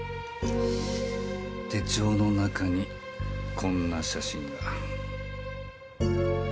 手帳の中にこんな写真が。